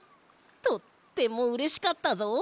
とってもうれしかったぞ。